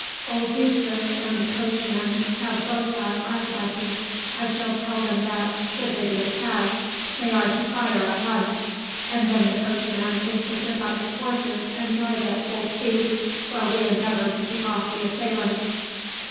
Old Eustace and the coachman have both got arquebuses. I shall tell them that, should they be attacked, they are to fire at once, and then the coachman is to whip up his horses and drive at full speed, while we endeavour to keep off the assailants."